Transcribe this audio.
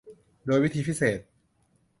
โดยวิธีพิเศษ